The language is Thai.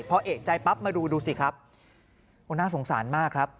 พอเอกใจปั๊บมาดูดูสิครับโอ้น่าสงสารมากครับ